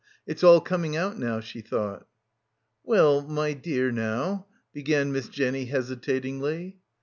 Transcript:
It's all coming out now/ she thought. "Well — my dear — now " began Miss Jenny hesitatingly.